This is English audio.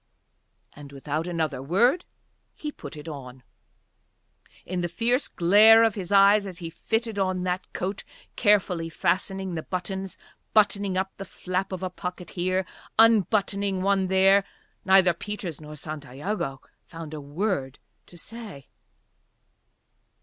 And without another word he put it on. In the fierce glare of his eyes as he fitted on that coat, carefully fastening the buttons, buttoning up the flap of a pocket here, unbuttoning one there, neither Peters nor Santiago found a word to say.